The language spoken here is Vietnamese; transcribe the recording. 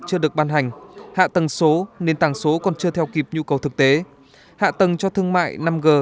chưa được ban hành hạ tầng số nên tàng số còn chưa theo kịp nhu cầu thực tế hạ tầng cho thương mại năm g